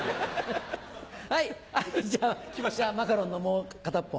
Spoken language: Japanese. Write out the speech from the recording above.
はいじゃあマカロンのもう片っぽ。